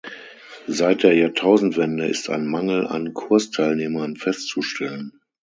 Seit der Jahrtausendwende ist ein Mangel an Kursteilnehmern festzustellen.